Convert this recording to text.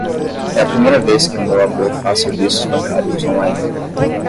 É a primeira vez que o meu avô faz serviços bancários online.